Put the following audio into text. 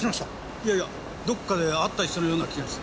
いやいやどっかで会った人のような気がして。